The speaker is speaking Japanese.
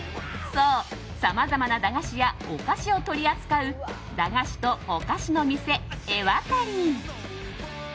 そう、さまざまな駄菓子やお菓子を取り扱う駄菓子とおかしのみせエワタリ。